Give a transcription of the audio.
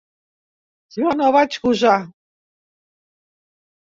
Jo no vaig gosar.